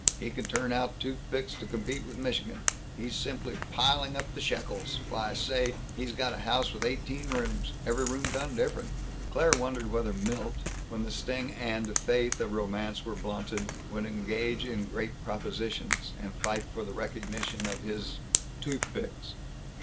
He can turn out toothpicks to compete with Michigan. He's simply piling up the shekels why say, he's got a house with eighteen rooms every room done different." Claire wondered whether Milt, when the sting and faith of romance were blunted, would engage in Great Propositions, and fight for the recognition of his toothpicks.